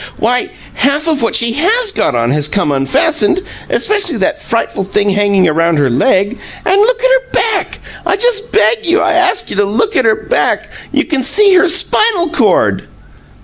"Why, half o' what she HAS got on has come unfastened especially that frightful thing hanging around her leg and look at her back, I just beg you! I ask you to look at her back. You can see her spinal cord!"